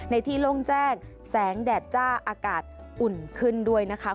ที่โล่งแจ้งแสงแดดจ้าอากาศอุ่นขึ้นด้วยนะคะ